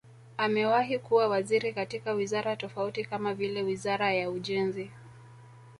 Amewahi kuwa waziri katika wizara tofauti kama vile Wizara ya Ujenzi